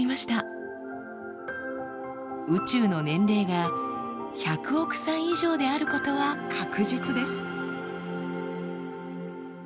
宇宙の年齢が１００億歳以上であることは確実です。